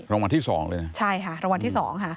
รางวัลที่สองเลยนะใช่ค่ะรางวัลที่๒ค่ะ